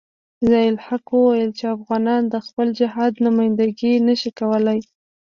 ضیاء الحق ویل چې افغانان د خپل جهاد نمايندګي نشي کولای.